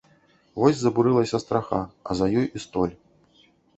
Вось забурылася страха, а за ёй і столь.